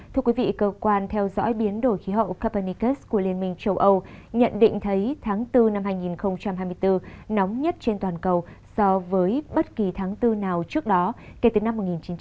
ngoại quan theo dõi biến đổi khí hậu copernicus của liên minh châu âu nhận định thấy tháng bốn năm hai nghìn hai mươi bốn nóng nhất trên toàn cầu so với bất kỳ tháng bốn nào trước đó kể từ năm một nghìn chín trăm bốn mươi